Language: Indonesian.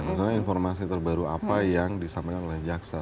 misalnya informasi terbaru apa yang disampaikan oleh jaksa